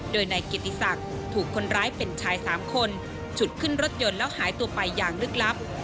โดยนายกิติศักดิ์ถูกคนร้ายเป็นชาย๓คนฉุดขึ้นรถยนต์แล้วหายตัวไปอย่างลึกลับ